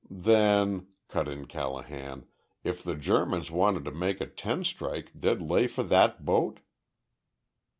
"Then," cut in Callahan, "if the Germans wanted to make a ten strike they'd lay for that boat?"